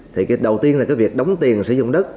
thì cái đầu tiên là cái việc đóng tiền sử dụng đất